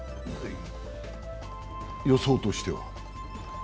予想としては？